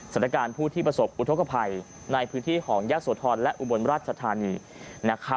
สถานการณ์ผู้ที่ประสบอุทธกภัยในพื้นที่ของยะโสธรและอุบลราชธานี